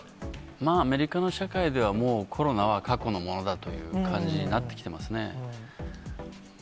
アメリカの社会では、もうコロナは過去のものだという感じになってきてますね。